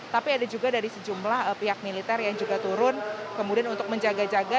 tapi ada juga dari sejumlah pihak militer yang juga turun kemudian untuk menjaga jaga